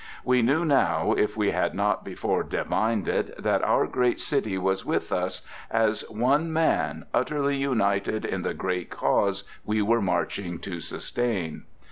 We knew now, if we had not before divined it, that our great city was with us as one man, utterly united in the great cause we were marching to sustain.